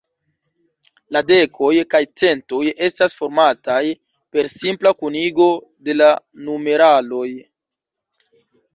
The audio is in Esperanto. La dekoj kaj centoj estas formataj per simpla kunigo de la numeraloj.